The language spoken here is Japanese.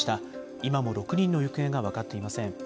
今も６人の行方が分かっていません。